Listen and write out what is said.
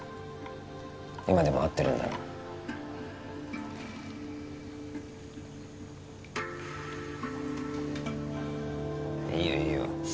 今でも会ってるんだないいよいいよ